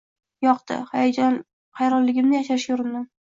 — Yoqdi. – hayronligimni yashirishga urindim.